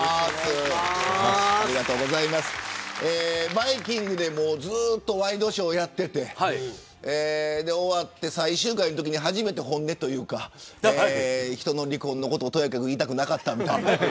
バイキングでずっとワイドショーやっていて終わって最終回のときに初めて本音というか人の離婚のことをとやかく言いたくなかったとか。